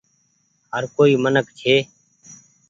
هر ڪوئي منک ڇي۔